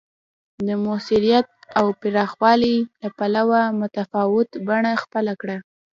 د موثریت او پوخوالي له پلوه متفاوته بڼه خپله کړه